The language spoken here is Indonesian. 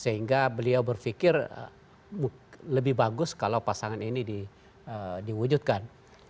sehingga beliau berpikir lebih bagus kalau pasangan ini diwujudkan